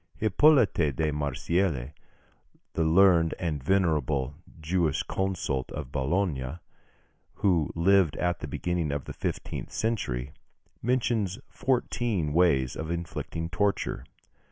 Hippolyte de Marsillis, the learned and venerable jurisconsult of Bologna, who lived at the beginning of the fifteenth century, mentions fourteen ways of inflicting torture.